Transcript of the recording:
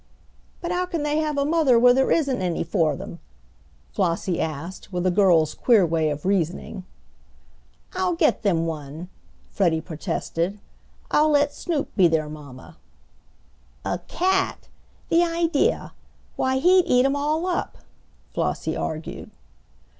"But how can they have a mother where there isn't any for them?" Flossie asked, with a girl's queer way of reasoning. "I'll get them one," Freddie protested. "I'll let Snoop be their mamma." "A cat! the idea! why, he would eat 'em all up," Flossie argued.